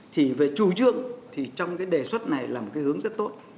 thì về chủ trương thì trong cái đề xuất này là một cái hướng rất tốt